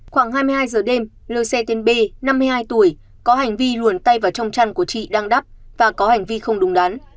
khoảng hai mươi hai giờ đêm lô xe tên b năm mươi hai tuổi có hành vi luồn tay vào trong chăn của chị đang đắp và có hành vi không đúng đắn